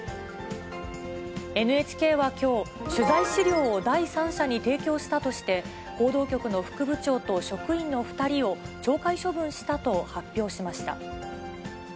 ＮＨＫはきょう、取材資料を第三者に提供したとして、報道局の副部長と職員の２人を懲戒処分したと発表しました。